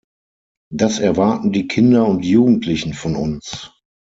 Das erwarten die Kinder und Jugendlichen von uns.